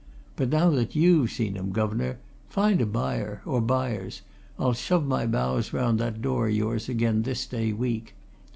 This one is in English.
But now that you've seen 'em guv'nor, find a buyer or buyers I'll shove my bows round that door o' yours again this day week."